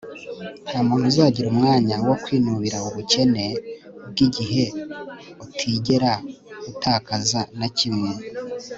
ntamuntu uzagira umwanya wo kwinubira ubukene bwigihe utigera atakaza na kimwe